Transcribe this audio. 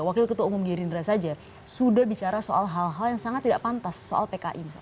wakil ketua umum gerindra saja sudah bicara soal hal hal yang sangat tidak pantas soal pki misalnya